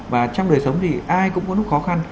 và trong đời sống thì ai cũng có lúc khó khăn